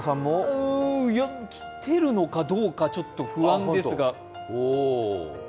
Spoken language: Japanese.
きてるのかどうかちょっと不安ですが。